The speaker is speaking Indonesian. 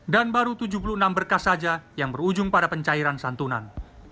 baru tujuh puluh enam berkas saja yang berujung pada pencairan santunan